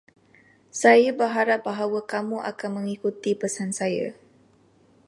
Saya berharap bahawa kamu akan mengikuti pesan saya.